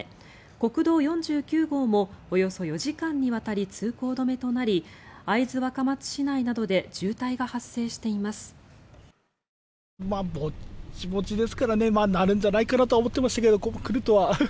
国道４９号もおよそ４時間にわたり通行止めとなり会津若松市内などで渋滞が発生しています。